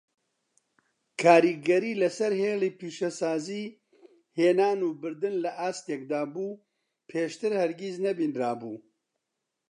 کاریگەری لەسەر هێڵی پیشەسازی هێنان و بردن لە ئاستێکدا بوو پێشووتر هەرگیز نەبینرابوو.